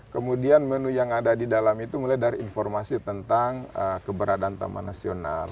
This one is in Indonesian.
kemudian menu yang ada di dalam itu mulai dari informasi tentang keberadaan taman nasional